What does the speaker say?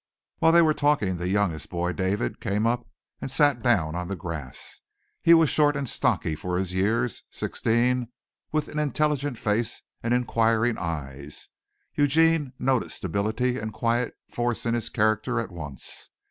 While they were talking the youngest boy, David, came up and sat down on the grass. He was short and stocky for his years sixteen with an intelligent face and an inquiring eye. Eugene noted stability and quiet force in his character at once.